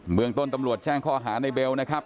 เมืองต้นตำรวจแจ้งข้อหาในเบลนะครับ